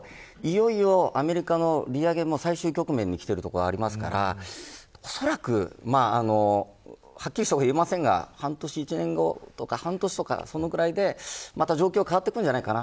いよいよアメリカの利上げも最終局面にきているところがありますからおそらくはっきりしたことは言えませんが半年、１年後とかそのくらいで状況が変わってくるじゃないかな。